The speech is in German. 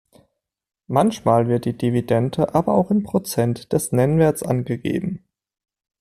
Manchmal wird die Dividende aber auch in Prozent des Nennwerts angegeben.